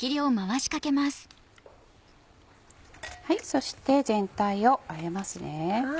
そして全体をあえますね。